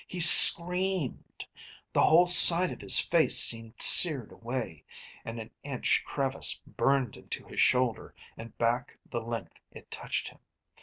He screamed; the whole side of his face seemed seared away, and an inch crevice burned into his shoulder and back the length it touched him.